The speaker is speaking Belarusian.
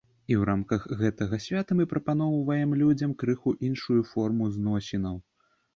І ў рамках гэтага свята мы прапаноўваем людзям крыху іншую форму зносінаў.